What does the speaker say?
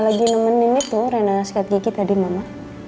lagi nemenin itu rena sekat gigi tadi mama